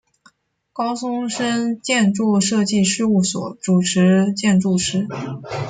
高松伸建筑设计事务所主持建筑师。